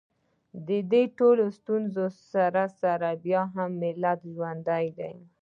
د دې ټولو ستونزو سره سره بیا هم ملت ژوندی دی